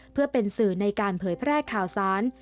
เพื่อเป็นสื่อในการเผยแพร่ข่าวสาร